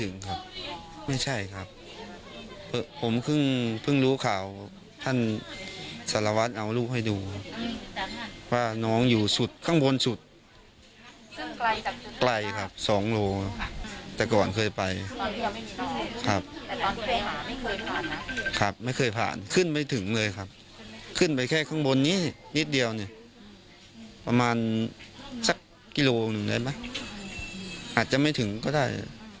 นิดเดียวเนี่ยประมาณซักกิโลหนึ่งเลยปะอาจจะไม่ถึงก็ได้